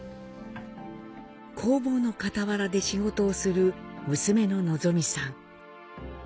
工房の傍らで仕事をする娘の希さん。